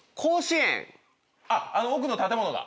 あの奥の建物が？